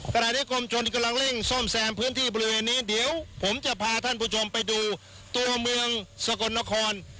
ขณะที่กรมชนที่กำลังเร่งซ่อมแซมพื้นที่บริเวณนี้เดี๋ยวผมจะพาท่านผู้ชมไปดูตัวเมืองสกลนคร